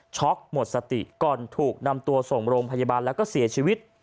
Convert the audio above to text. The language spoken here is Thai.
หมดสติก่อนถูกนำตัวส่งโรงพยาบาลแล้วก็เสียชีวิต